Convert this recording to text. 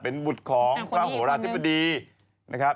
เป็นบุตรของพระโหราธิบดีนะครับ